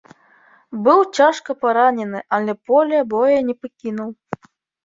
Быў цяжка паранены, але поля бою не пакінуў.